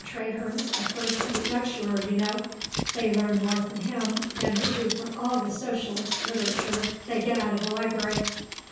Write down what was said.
Traherne's a first rate lecturer, you know; they learn more from him than they do from all the Socialist literature they get out of the library."